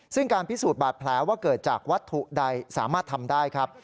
ซึ่งการพิสูจน์บาดแผลว่าเกิดจากวัตถุใดสามารถทำได้ครับ